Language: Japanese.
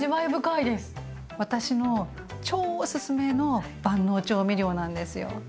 私の超おすすめの万能調味料なんですよ。